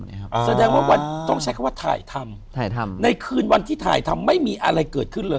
แสดงว่าวันต้องใช้คำว่าถ่ายทำถ่ายทำในคืนวันที่ถ่ายทำไม่มีอะไรเกิดขึ้นเลย